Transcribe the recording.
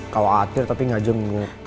khawatir tapi gak jenguk